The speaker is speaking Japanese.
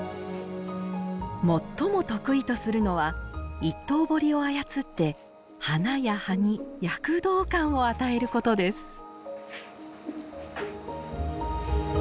最も得意とするのは一刀彫りを操って花や葉に躍動感を与えることです